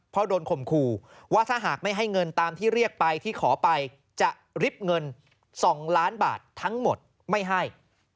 เพราะโดนข่มขู่ว่าถ้าหากไม่ให้เงินตามที่เรียกไปที่ขอไปจะริบเงิน๒ล้านบาททั้งหมดไม่ให้